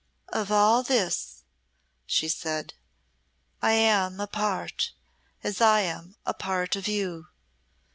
"Of all this," she said, "I am a part, as I am a part of you.